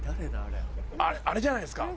あっあれじゃないすか？